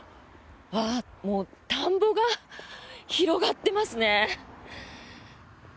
もう、田んぼが広がってますね。